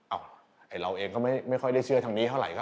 ไอ้เราเองก็ไม่ค่อยได้เชื่อทางนี้เท่าไหร่